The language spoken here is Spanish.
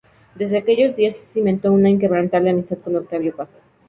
Desde aquellos días cimentó una inquebrantable amistad con Octavio Paz.